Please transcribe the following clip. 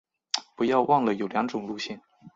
不要忘了有两种路线